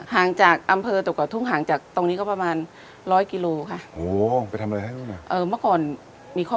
ห่างจากอำเภอตกเกาะทุ่งห่างจากตรงนี้ก็ประมาณร้อยกิโลค่ะ